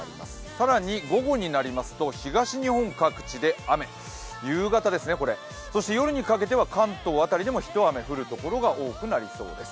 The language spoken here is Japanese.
更に午後になりますと、東日本各地で雨夕方、そして夜にかけて関東辺りでもひと雨あるところが出てきそうです。